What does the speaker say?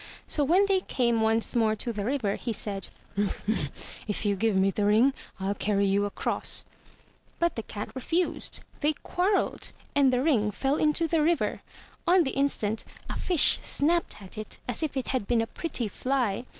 So when they came once more to the river, he said, "If you give me the ring, FU carry you across/' But the cat refused. They quarrelled, and the ring fell into the river. On the instant a fish snapped at it as if it had been a pretty fly.